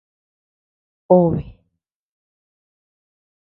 Obe.